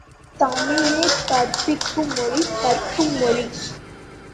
தமிழே கற்பிக்கும் மொழி கற்கும் மொழி!